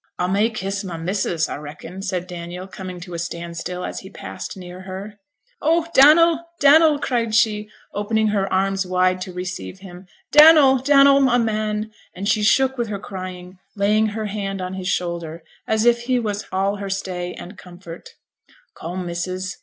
'A may kiss my missus, a reckon,' said Daniel, coming to a standstill as he passed near her. 'Oh, Dannel, Dannel!' cried she, opening her arms wide to receive him. 'Dannel, Dannel, my man!' and she shook with her crying, laying her head on his shoulder, as if he was all her stay and comfort. 'Come, missus!